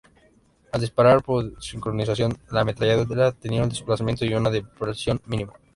Al disparar por sincronización, la ametralladora tenía un desplazamiento y una dispersión mínima.